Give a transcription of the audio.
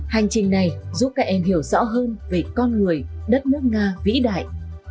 hành trình này giúp các em hiểu rõ hơn về con người đất nước nga vĩ đại